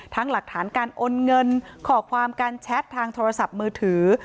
หลักฐานการโอนเงินขอความการแชททางโทรศัพท์มือถือ